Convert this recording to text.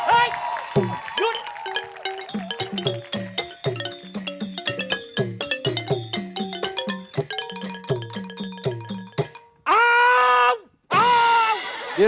โอ้โอ้